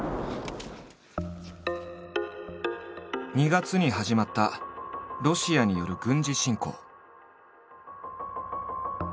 ２月に始まったロシアによる軍事侵攻。